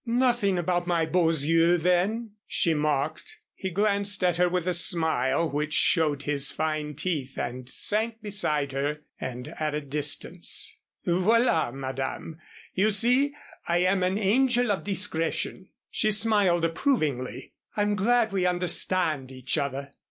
"Nothing about my beaux yeux then," she mocked. He glanced at her with a smile which showed his fine teeth and sank beside her and at a distance. "Voilà, Madame! You see? I am an angel of discretion." She smiled approvingly. "I'm glad we understand each other."